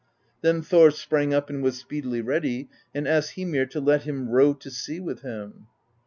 Then Thor sprang up and was speedily ready, and asked Hymir to let him row to sea with him.